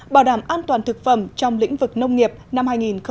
bảo đảm an toàn thực phẩm trong lĩnh vực nông nghiệp năm hai nghìn một mươi chín